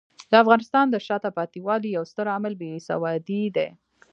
د افغانستان د شاته پاتې والي یو ستر عامل بې سوادي دی.